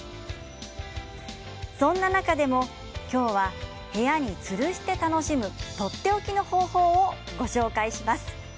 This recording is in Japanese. そんな中でも今日は部屋につるして楽しむとっておきの方法をご紹介します。